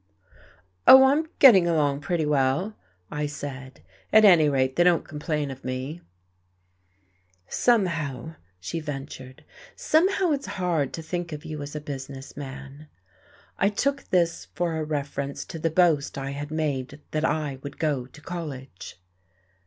"Oh, I'm getting along pretty well," I said. "At any rate, they don't complain of me." "Somehow," she ventured, "somehow it's hard to think of you as a business man." I took this for a reference to the boast I had made that I would go to college.